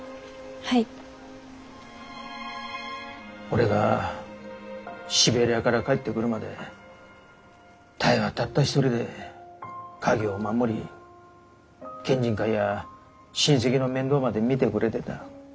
俺がシベリアから帰ってくるまで多江はたった一人で家業を守り県人会や親戚の面倒まで見てくれてた。